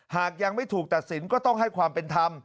หากยังไม่ถูกตัดสินก็ต้องให้ความเป็นธรรม